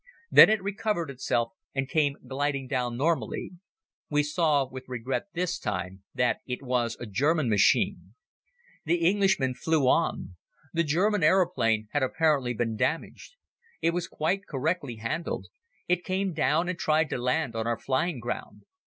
Then it recovered itself and came gliding down normally. We saw, with regret this time, that it was a German machine. The Englishman flew on. The German aeroplane had apparently been damaged. It was quite correctly handled. It came down and tried to land on our flying ground.